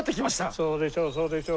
そうでしょうそうでしょう